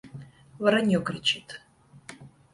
Воронье кричит.